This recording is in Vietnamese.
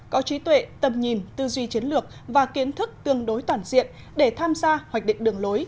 có trí tuệ tầm nhìn tư duy chiến lược và kiến thức tương đối toàn diện để tham gia hoạch định đường lối